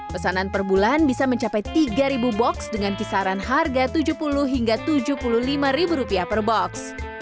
pesanan per bulan bisa mencapai tiga ribu box dengan kisaran harga tujuh puluh hingga tujuh puluh lima ribu rupiah per box